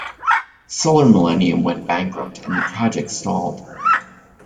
Solar Millennium went bankrupt and the project stalled.